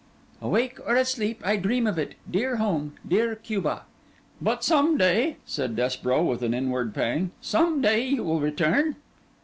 'Awake or asleep, I dream of it: dear home, dear Cuba!' 'But some day,' said Desborough, with an inward pang, 'some day you will return?